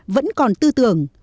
vẫn còn tư tưởng